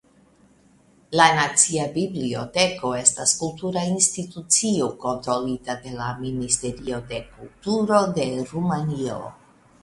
La Nacia Biblioteko estas kultura institucio kontrolita de la Ministerio de Kulturo de Rumanio.